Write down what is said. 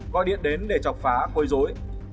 gọi điện đến để chọc phá côi dối